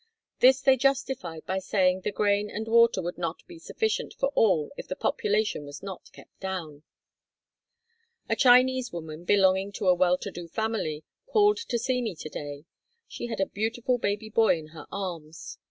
This they justified by saying the grain and water would not be sufficient for all if the population was not kept down! A Chinese woman, belonging to a well to do family, called to see me one day. She had a beautiful baby boy in her arms.